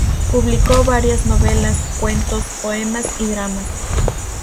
Publicó varias novelas, cuentos, poemas y dramas.